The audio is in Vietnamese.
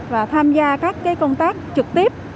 và tham gia các công tác trực tiếp